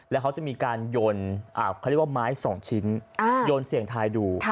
แล้วเขาจะมีการโยนเขาเรียกว่าไม้๒ชิ้นโยนเสี่ยงทายดู